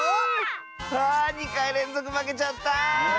あ２かいれんぞくまけちゃった。